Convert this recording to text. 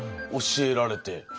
教えられて。